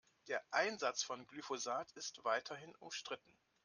Der Einsatz von Glyphosat ist weiterhin umstritten.